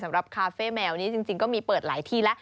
สำหรับคาเฟ่แมวนี้จริงก็มีเปิดหลายที่แล้ว